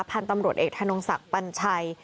พันธุ์ตำรวจเอกธนงศักดิ์ปัญชัย